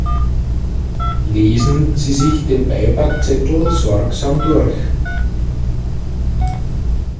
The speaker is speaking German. Lesen Sie sich den Beipackzettel sorgsam durch.